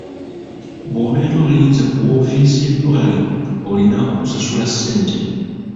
Bw'obeera olinze ku wofiisi y'eddwaliro olina okusasula ssente.